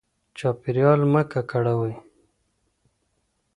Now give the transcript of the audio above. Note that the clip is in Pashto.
چاپیریال مه ککړوئ.